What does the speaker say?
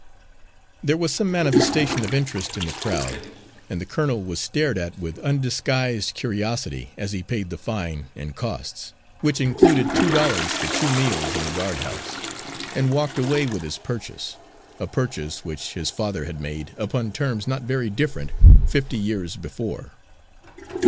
There was some manifestation of interest in the crowd; and the colonel was stared at with undisguised curiosity as he paid the fine and costs, which included two dollars for two meals in the guardhouse, and walked away with his purchase a purchase which his father had made, upon terms not very different, fifty years before.